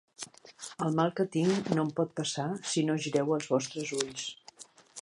El mal que tinc no em pot passar, si no gireu els vostres ulls.